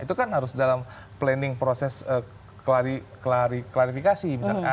itu kan harus dalam planning proses klarifikasi misalnya